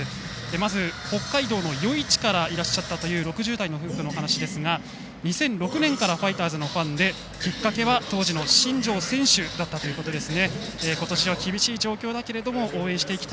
まず、北海道からいらっしゃった６０代の夫婦のお話ですが２００６年からファイターズのファンできっかけは当時の新庄選手ということです。